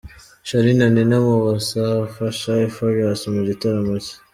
Charly na Nina mu bazafasha Farious mu gitaramo cye .